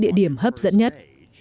địa điểm hấp dẫn nhất